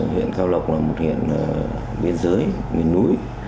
huyện cao lộc là một huyện biên giới miền núi